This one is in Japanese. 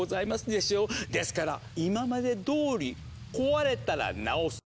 ですから今までどおり壊れたらなおす。